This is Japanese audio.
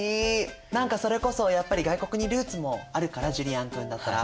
何かそれこそやっぱり外国にルーツもあるからジュリアン君だったら。